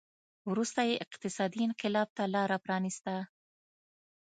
وروسته یې اقتصادي انقلاب ته لار پرانېسته.